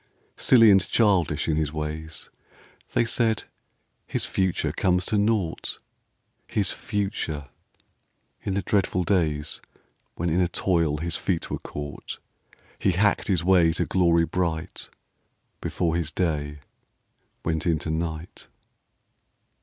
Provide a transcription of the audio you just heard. Silly and childish in his ways ; They said :" His future comes to naught." His future I In the dreadful days When in a toil his feet were caught He hacked his way to glory bright Before his day went down in night.